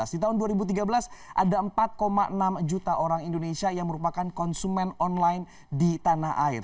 di tahun dua ribu tiga belas ada empat enam juta orang indonesia yang merupakan konsumen online di tanah air